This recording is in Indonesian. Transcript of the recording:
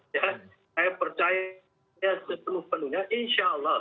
saya percaya sepenuh penuhnya insya allah